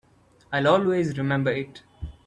I'll always remember it.